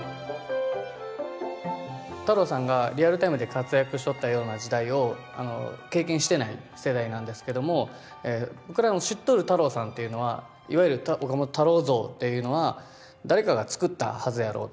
太郎さんがリアルタイムで活躍しとったような時代を経験してない世代なんですけども僕らの知っとる太郎さんっていうのはいわゆる岡本太郎像っていうのは誰かがつくったはずやろうと。